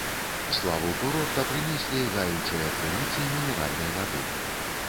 Славу курорта прынеслі гаючыя крыніцы мінеральнай вады.